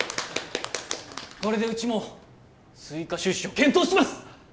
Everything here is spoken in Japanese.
これでうちも追加出資を検討します！